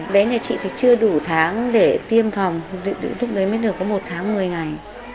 bé nhà chị thì chưa đủ tháng để tiêm phòng lúc đấy mới được có một tháng một mươi ngày